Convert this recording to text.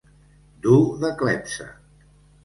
Dur de clepsa.